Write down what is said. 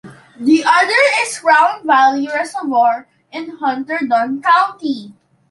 The other is Round Valley Reservoir in Hunterdon County.